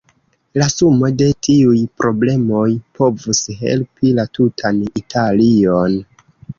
La sumo de tiuj problemoj povus helpi la tutan Italion.